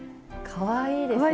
かわいいですか？